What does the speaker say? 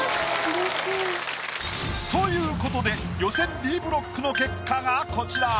嬉しい。ということで予選Ｂブロックの結果がこちら。